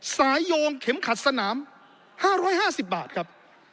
โยงเข็มขัดสนาม๕๕๐บาทครับ